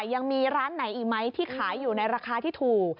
ยังมีร้านไหนอีกไหมที่ขายอยู่ในราคาที่ถูก